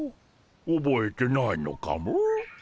おぼえてないのかモ？